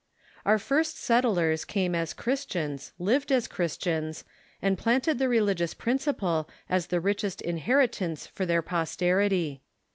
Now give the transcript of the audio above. Our first settlers came as Christians, lived as Christians, and planted the religious principle as the richest inheritance for their posterity.